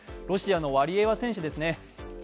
ロシアのワリエワ選手ですね。